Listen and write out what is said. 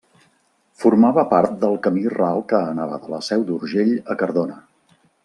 Formava part del camí ral que anava de la Seu d'Urgell a Cardona.